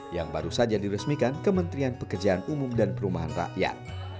yang baru saja diresmikan kementerian pekerjaan umum dan perumahan rakyat